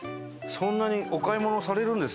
そんなにお買い物されるんですね。